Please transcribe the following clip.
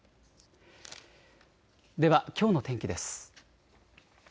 ではきょうの天気です。